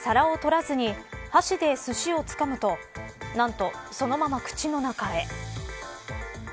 レーンに流れている皿を取らずに箸ですしをつかむと何と、そのまま口の中へ。